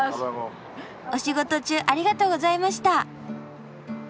お仕事中ありがとうございました。